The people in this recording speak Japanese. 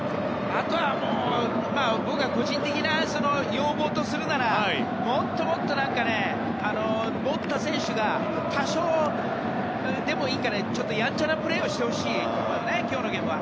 あとは、僕の個人的な要望とするならもっともっと、持った選手が多少でもいいからやんちゃなプレーをしてほしいな今日のゲームは。